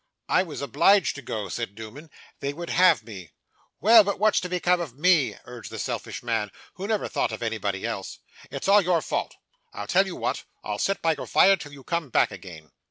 'I was obliged to go,' said Newman. 'They would have me.' 'Well; but what's to become of me?' urged the selfish man, who never thought of anybody else. 'It's all your fault. I'll tell you what I'll sit by your fire till you come back again.